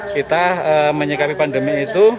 kita menyikapi pandemi itu